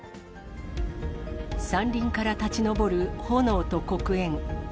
山林から立ち上る炎と黒煙。